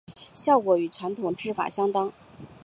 效果与传统制法相当。